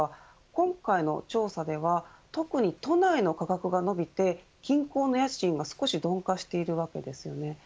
今回の調査では特に都内の価格が伸びて近郊の家賃が少し鈍化しているわけですよね。